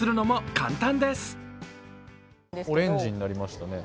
オレンジになりましたね。